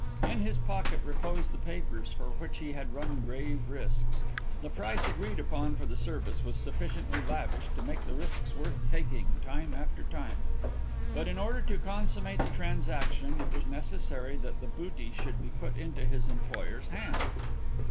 In his pocket reposed the papers for which he had run grave risks. The price agreed upon for the service was sufficiently lavish to make the risks worth taking time after time; but in order to consummate the transaction it was necessary that the booty should be put into his employer's hand.